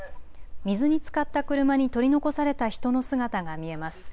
水につかった車に取り残された人の姿が見えます。